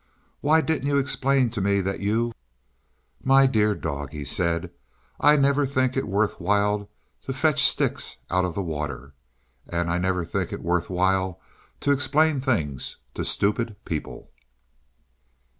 "Why didn't you explain to me that you " "My dear dog," he said, "I never think it worth while to fetch sticks out of the water, and I never think it worth while to explain things to stupid people."